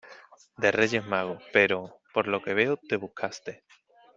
de Reyes Magos , pero ... por lo que veo te buscaste